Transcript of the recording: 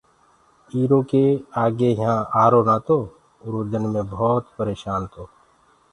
ايٚرو ڪي آگي يهآنٚ آرو نآتو آُرو دن مي ڀوتَ پريشآن تو